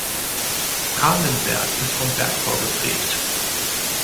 Kalenberg ist vom Bergbau geprägt.